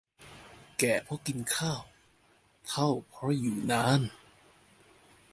แก่เพราะกินข้าว เฒ่าเพราะอยู่นาน